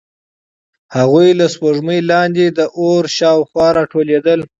هغوی له سپوږمۍ لاندې د اور شاوخوا راټولېدل.